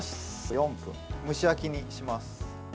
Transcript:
４分、蒸し焼きにします。